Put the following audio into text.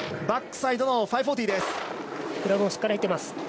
バックサイドの５４０です。